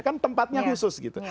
kan tempatnya khusus gitu